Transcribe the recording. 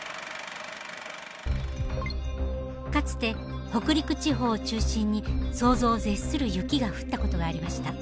かつて北陸地方中心に想像を絶する雪が降ったことがありました。